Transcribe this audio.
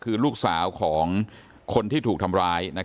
คือลูกสาวของคนที่ถูกทำร้าย